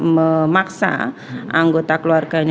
memaksa anggota keluarganya